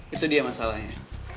itu dia masalahnya